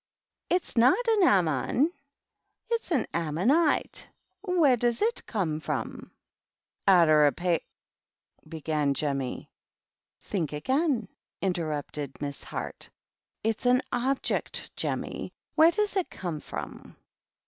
It's not an ammon. It's an ammonife. Where does it come from ?" "Outer a pape " began Jemmy. " Think again," interrupted Miss Heart. " It's an Object J Jemmy. Where does it come from